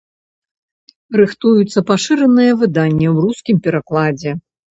Рыхтуецца пашыранае выданне ў рускім перакладзе.